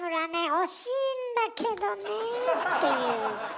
惜しいんだけどねえっていう。